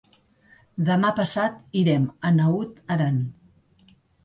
Demà passat irem a Naut Aran.